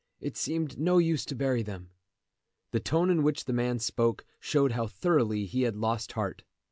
It seemed no use to bury them." The tone in which the man spoke showed how thoroughly he had lost heart.